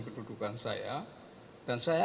pendudukan saya dan saya